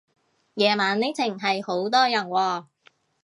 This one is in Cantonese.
夜晚呢程係好多人喎